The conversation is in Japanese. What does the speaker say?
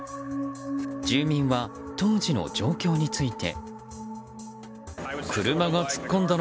住民は当時の状況について。